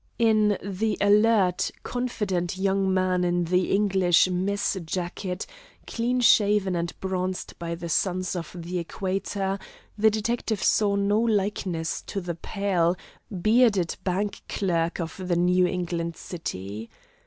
In the alert, confident young man in the English mess jacket, clean shaven and bronzed by the suns of the equator, the detective saw no likeness to the pale, bearded bank clerk of the New England city.